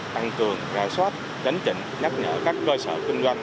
tăng cường gãi soát tránh trịnh nhắc nhở các cơ sở kinh doanh